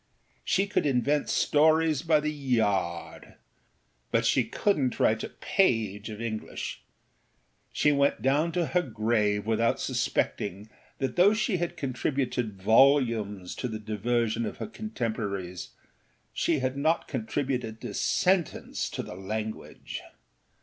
She could invent stories by the yard, but she couldnât write a page of English. She went down to her grave without suspecting that though she had contributed volumes to the diversion of her contemporaries she had not contributed a sentence to the language.